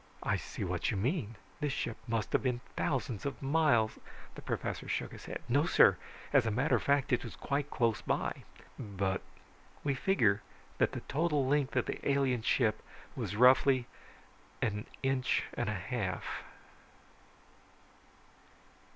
"I see what you mean. This ship must have been thousands of miles ..." The professor shook his head. "No, sir. As a matter of fact, it was quite close by." "But ..." "We figure that the total length of the alien ship was roughly an inch and a half."